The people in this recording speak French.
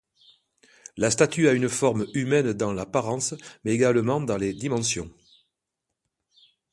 La statue a une forme humaine dans l'apparence mais également dans les dimensions.